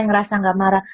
ngerasa nggak marah